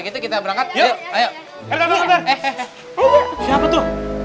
kita berangkat yuk ayo